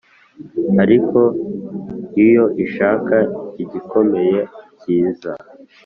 ariko iyo ishaka igikomeye kiza